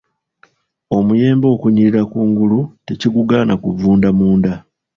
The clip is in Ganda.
Omuyembe okunyirira kungulu tekigugaana kuvunda munda.